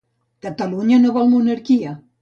Catalunya no vol la monarquia.